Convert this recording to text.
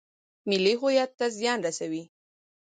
ملي هویت ته زیان رسوي.